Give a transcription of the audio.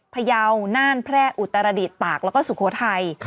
พยาวน่านแพร่อุตรดิษฐตากแล้วก็สุโขทัย